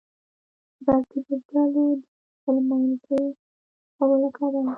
بلکې د ډلو د خپلمنځي شخړو له کبله.